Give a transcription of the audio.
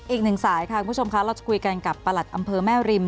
อีกหนึ่งสายค่ะคุณผู้ชมค่ะเราจะคุยกันกับประหลัดอำเภอแม่ริม